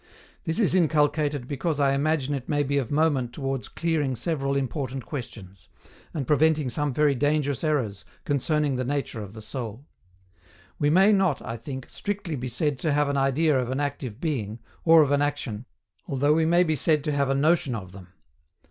This is inculcated because I imagine it may be of moment towards clearing several important questions, and preventing some very dangerous errors concerning the nature of the soul. We may not, I think, strictly be said to have an idea of an active being, or of an action, although we may be said to have a notion of them.